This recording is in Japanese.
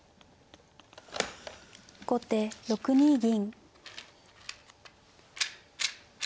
後手６二銀。